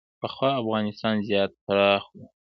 پخوا افغانستان زیات پراخ و